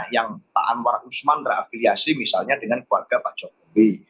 yang pak anwar usman terafiliasi misalnya dengan keluarga pak jokowi